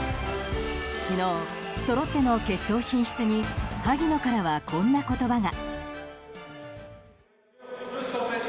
昨日、そろっての決勝進出に萩野からは、こんな言葉が。